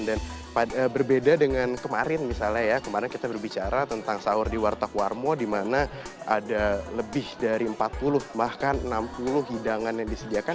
dan berbeda dengan kemarin misalnya ya kemarin kita berbicara tentang sahur di wartak warmo dimana ada lebih dari empat puluh bahkan enam puluh hidangan yang disediakan